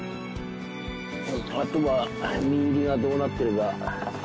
あとは身入りがどうなってるか。